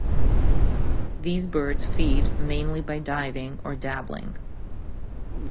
These birds feed mainly by diving or dabbling.